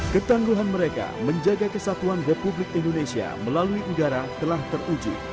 ketangguhan mereka menjaga kesatuan republik indonesia melalui udara telah teruji